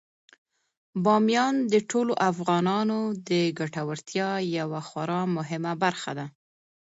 بامیان د ټولو افغانانو د ګټورتیا یوه خورا مهمه برخه ده.